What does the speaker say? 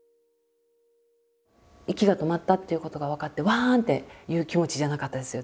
息が止まったっていうことが分かってわん！っていう気持ちじゃなかったですよ